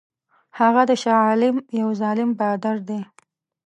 هغه د شاه عالم یو ظالم بادار دی.